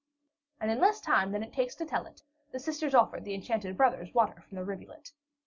And in less time than it takes to tell it, the sisters offered the enchanted brothers water from the rivulet.